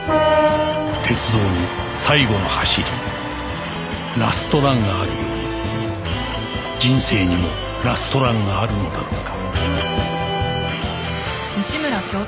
鉄道に最後の走りラストランがあるように人生にもラストランがあるのだろうか